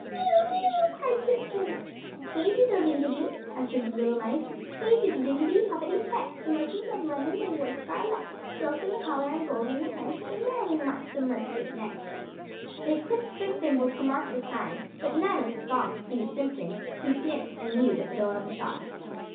"Mew! Mew!" cried Simpkin. "Hey diddle dinketty?" answered the little mice "Hey diddle dinketty, poppetty pet! The merchants of London they wear scarlet; Silk in the collar, and gold in the hem, So merrily march the merchantmen!" They clicked their thimbles to mark the time, but none of the songs pleased Simpkin; he sniffed and mewed at the door of the shop.